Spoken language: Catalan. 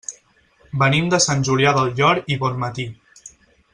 Venim de Sant Julià del Llor i Bonmatí.